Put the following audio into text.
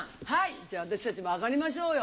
じゃ私たちも揚がりましょうよ。